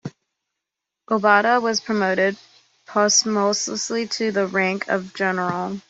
Obata was promoted posthumously to the rank of general.